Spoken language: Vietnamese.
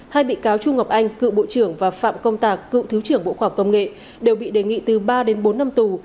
hai bị cáo trung ngọc anh cựu bộ trưởng và phạm công tạc cựu thứ trưởng bộ khoa học công nghệ đều bị đề nghị từ ba đến bốn năm tù